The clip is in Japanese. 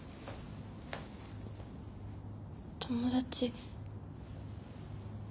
友達。